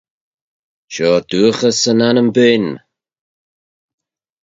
Shoh dooghys yn annym beayn.